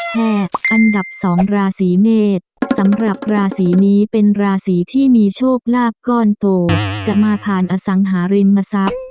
แห่อันดับ๒ราศีเมษสำหรับราศีนี้เป็นราศีที่มีโชคลาภก้อนโตจะมาผ่านอสังหาริมทรัพย์